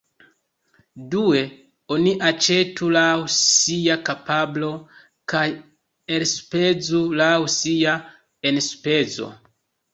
Due, oni aĉetu laŭ sia kapablo kaj elspezu laŭ sia enspezo.